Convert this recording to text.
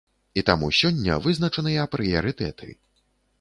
І таму сёння вызначаныя прыярытэты.